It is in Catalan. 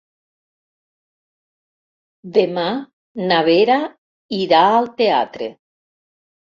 Demà na Vera irà al teatre.